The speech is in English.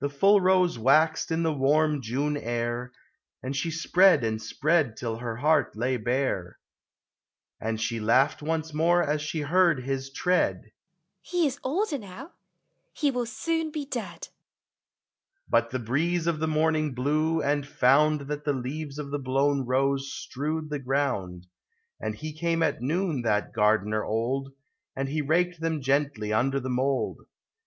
The full Rose waxed in the warm June air, And she spread and spread till her heart lay bare ; And she laughed once more as she heard his tread —" He is older now ! He will soon be dead !" But the breeze of the morning blew, and found That the leaves of the blown Rose strewed the ground ; And he came at noon, that Gardener old, And he raked them gently under the mold.